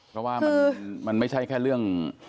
ก็ว่ามันไม่ใช่แค่เรื่อง